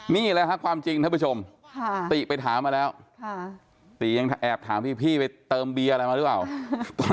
นี่แหละครับความจริงท่านผู้ชมติไปถามมาแล้วติยังแอบถามพี่ไปเติมเบียร์อะไรมาหรือเปล่า